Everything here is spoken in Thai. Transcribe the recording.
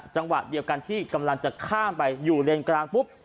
จังหวะเดียวกันที่กำลังจะข้ามไปอยู่เลนกลางปุ๊บ